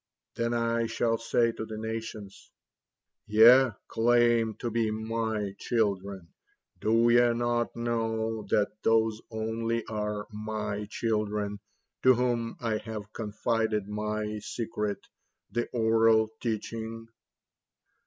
Then I shall say to the nations: 'Ye claim to be MY children, do ye not know that those only are My children to whom I have confided My secret, the oral teaching?'"